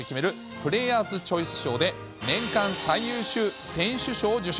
プレーヤーズ・チョイス賞で年間最優秀選手賞を受賞。